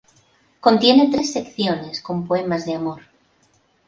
Contiene tres secciones con poemas de amor.